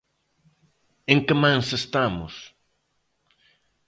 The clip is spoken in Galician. En que mans estamos?